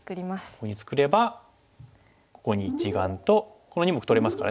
ここに作ればここに一眼とこの２目取れますからね。